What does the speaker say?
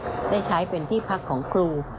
ในหลวงทั้งสองพระองค์ทั้งสองพระองค์